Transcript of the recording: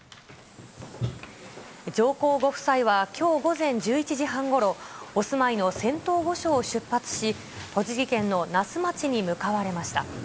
上皇ご夫妻はきょう午前１１時半ごろ、お住まいの仙洞御所を出発し、栃木県の那須町に向かわれました。